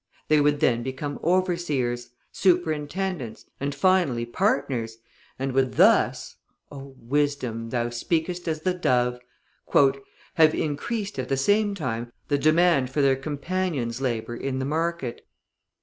They would then become overseers, superintendents, and finally partners, and would thus (Oh! Wisdom, thou speakest as the dove!) "have increased at the same time the demand for their companions' labour in the market!"